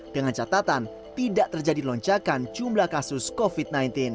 dengan catatan tidak terjadi lonjakan jumlah kasus covid sembilan belas